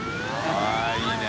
◆舛いいね。